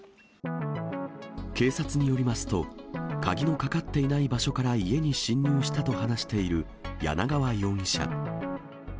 警察によりますと、鍵のかかっていない場所から家に侵入したと話している柳川容疑者。